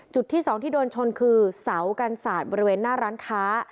ที่สองที่โดนชนคือเสากันศาสตร์บริเวณหน้าร้านค้า